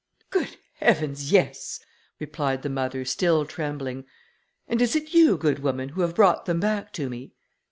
"Good heavens, yes!" replied the mother, still trembling, "and is it you, good woman, who have brought them back to me?"